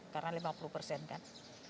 karena lima puluh persen kan